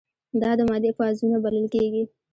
دا د مادې فازونه بلل کیږي.